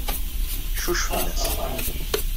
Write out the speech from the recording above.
Ccucfen-as.